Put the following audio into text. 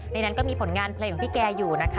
นั้นก็มีผลงานเพลงของพี่แกอยู่นะคะ